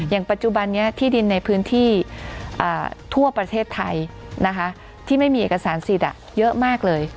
อย่างปัจจุบันนี้ที่ดินในพื้นที่ทั่วประเทศไทยที่ไม่มีเอกสารสิทธิ์เยอะมากเลย